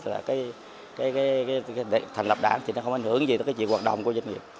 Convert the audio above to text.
là cái thành lập đảng thì nó không ảnh hưởng gì tới cái gì hoạt động của doanh nghiệp